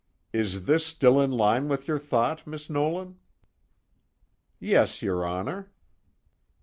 Is this still in line with your thought, Miss Nolan?" "Yes, your Honor."